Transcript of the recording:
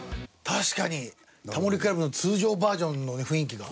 確かに『タモリ倶楽部』の通常バージョンのね雰囲気が。